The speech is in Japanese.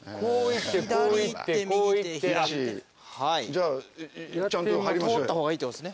じゃあちゃんと入りましょうよ。